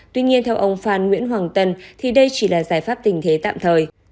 tuy nhiên theo ông phan nguyễn hoàng tân thì đây chỉ là giải pháp tình thế tạm thời